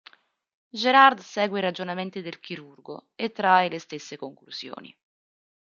Gerard segue i ragionamenti del chirurgo e trae le stesse conclusioni.